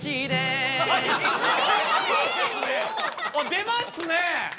出ますね！